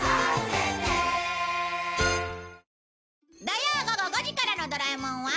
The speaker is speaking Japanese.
土曜午後５時からの『ドラえもん』は